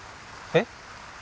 えっ？